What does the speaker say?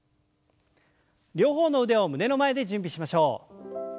両方の腕を胸の前で準備しましょう。